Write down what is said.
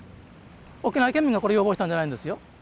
沖縄県民がこれ要望したんじゃないんですよ。